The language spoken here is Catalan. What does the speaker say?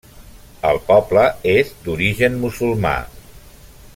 El poble és d'origen musulmà.